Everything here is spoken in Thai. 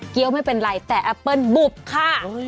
ไม่เป็นไรแต่แอปเปิ้ลบุบค่ะ